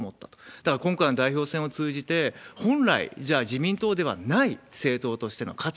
だから今回の代表選を通じて、本来、じゃあ、自民党ではない政党としての価値。